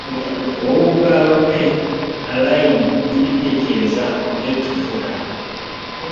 Wowe ubwawe pe Allayne ntujya utekereza kubyo tuvuga